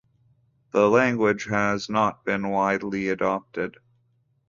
The language has not been widely adopted.